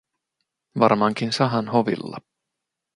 Varmaankin Sahan hovilla.